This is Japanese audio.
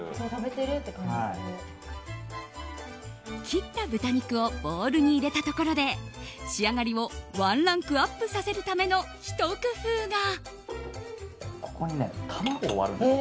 切った豚肉をボウルに入れたところで仕上がりをワンランクアップさせるためのひと工夫が。